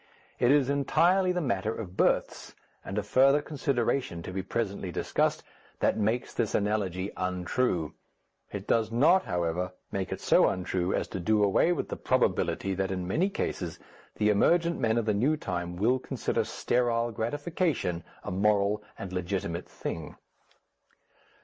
It is entirely the matter of births, and a further consideration to be presently discussed, that makes this analogy untrue. It does not, however, make it so untrue as to do away with the probability that in many cases the emergent men of the new time will consider sterile gratification a moral and legitimate thing.